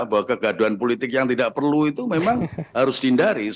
bahwa kegaduhan politik yang tidak perlu itu memang harus dihindari